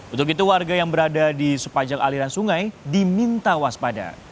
untuk itu warga yang berada di sepanjang aliran sungai diminta waspada